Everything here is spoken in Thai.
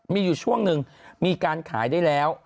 มีอยู่ช่วงหนึ่งมีการขายได้แล้ว